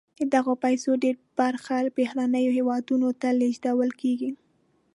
د دغه پیسو ډېره برخه بهرنیو هېوادونو ته لیږدول کیږي.